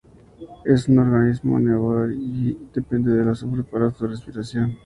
Es un organismo anaerobio y depende del azufre para su respiración.